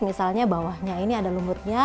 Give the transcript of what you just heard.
misalnya bawahnya ini ada lumutnya